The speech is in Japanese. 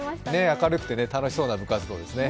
明るくて楽しそうな部活動ですね。